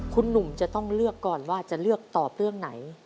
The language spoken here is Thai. คุณหนุ่มจะต้องเลือกก่อนว่าจะเลือกตอบเรื่องไหน